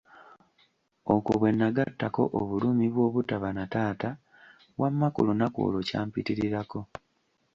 Okwo bwe nagattako obulumi bw'obutaba na taata wamma ku lunaku olwo kyampitirirako.